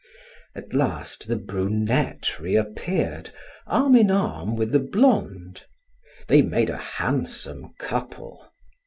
At last the brunette reappeared, arm in arm with the blonde. They made a handsome couple.